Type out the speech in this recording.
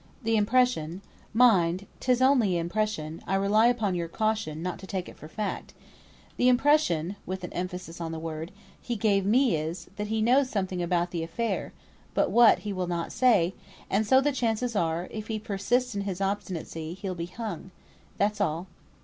The impression (mind, 'tis only impression; I rely upon your caution, not to take it for fact) the impression," with an emphasis on the word, "he gave me is, that he knows something about the affair, but what, he will not say; and so the chances are, if he persists in his obstinacy, he'll be hung. That's all."